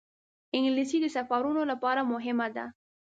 انګلیسي د سفرونو لپاره مهمه ده